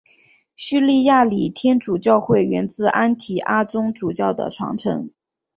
叙利亚礼天主教会源自安提阿宗主教的传承。